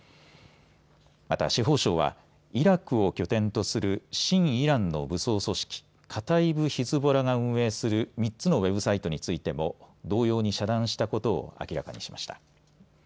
また司法省はイラクを拠点とする親イランの武装組織カタイブ・ヒズボラが運営する３つのウェブサイトについても同様に遮断したことを明らかにしました。